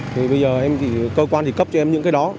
thì bây giờ cơ quan thì cấp cho em những cái đó